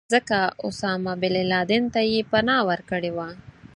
ځکه اسامه بن لادن ته یې پناه ورکړې وه.